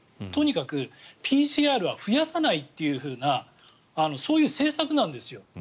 とにかくＰＣＲは増やさないというようなそういう政策なんですよ。